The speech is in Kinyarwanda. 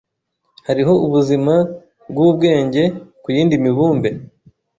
Hariho ubuzima bwubwenge ku yindi mibumbe?